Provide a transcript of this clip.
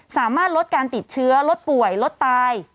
สามารถลดการติดเชื้อลดป่วยลดตาย